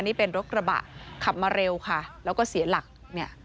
นี่เป็นรถกระบะขับมาเร็วค่ะแล้วก็เสียหลักเนี่ย